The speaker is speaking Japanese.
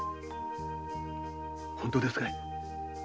本当ですかい？